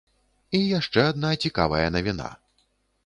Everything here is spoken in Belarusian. І яшчэ адна цікавая навіна.